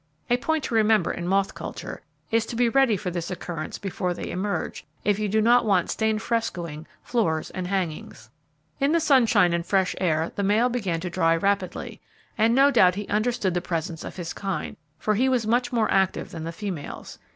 A point to remember in moth culture, is to be ready for this occurrence before they emerge, if you do not want stained frescoing, floors, and hangings. In the sunshine and fresh air the male began to dry rapidly, and no doubt he understood the presence of his kind, for he was much more active than the females.